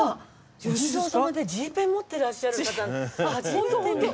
お地蔵様でＧペン持ってらっしゃる方初めて見た！